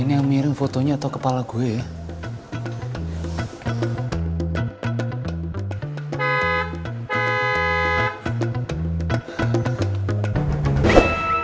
ini yang miring fotonya atau kepala gue ya